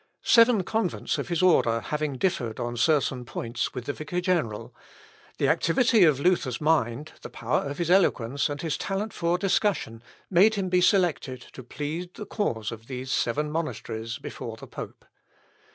Seven convents of his order having differed on certain points with the vicar general, the activity of Luther's mind, the power of his eloquence, and his talent for discussion, made him be selected to plead the cause of these seven monasteries before the pope.